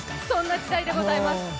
そんな時代でございます。